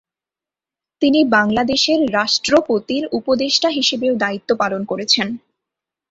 তিনি বাংলাদেশের রাষ্ট্রপতির উপদেষ্টা হিসেবেও দায়িত্ব পালন করেছেন।